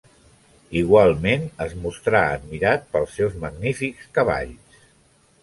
Igualment, es mostrà admirat pels seus magnífics cavalls.